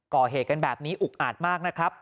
ก่อเหตุกันแบบนี้อุกอาจมากนะครับ